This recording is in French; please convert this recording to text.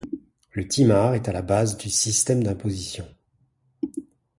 Le timar est à la base du système d’imposition.